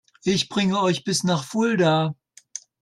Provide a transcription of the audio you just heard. Ich bringe euch bis nach Fulda